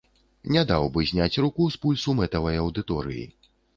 Не даў бы зняць руку з пульсу мэтавай аўдыторыі.